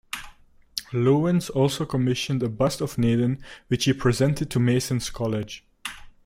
Lewins also commissioned a bust of Naden which he presented to Mason's College.